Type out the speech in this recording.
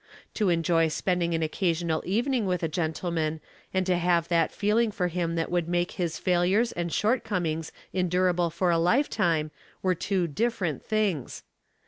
To enjoy spending an occasional evening with a gentleman, and to have that feeling for him that would make his failures and shortcomings endurable for a lifetime, were two different things.